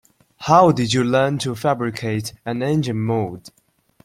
How did you learn to fabricate an engine mould?